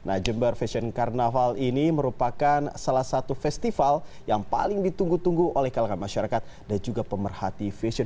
nah jember fashion carnaval ini merupakan salah satu festival yang paling ditunggu tunggu oleh kalangan masyarakat dan juga pemerhati fashion